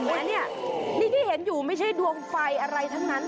เห็นไหมนี่นี่ที่เห็นอยู่ไม่ใช่ดวงไฟอะไรทั้งนั้น